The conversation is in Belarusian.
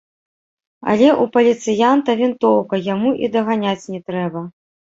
Але ў паліцыянта вінтоўка, яму і даганяць не трэба.